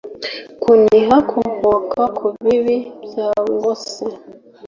Kuniha kuvuka kubibi byangose